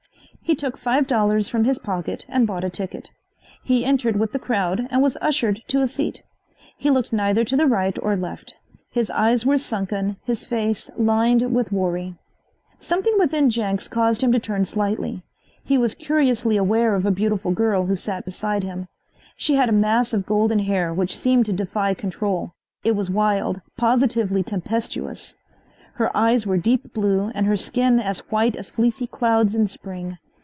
He took five dollars from his pocket and bought a ticket. He entered with the crowd and was ushered to a seat. He looked neither to the right or left. His eyes were sunken, his face lined with worry. Something within Jenks caused him to turn slightly. He was curiously aware of a beautiful girl who sat beside him. She had a mass of golden hair which seemed to defy control. It was wild, positively tempestuous. Her eyes were deep blue and her skin as white as fleecy clouds in spring.